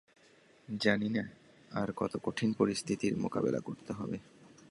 জানি না আর কত কঠিন পরিস্থিতির মোকেবেলা করতে হবে।